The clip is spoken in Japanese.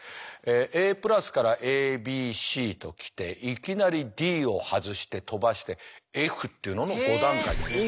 ＡからＡＢＣときていきなりＤを外して飛ばしてＦっていうのの５段階になります。